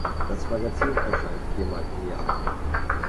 Das Magazin erscheint viermal im Jahr.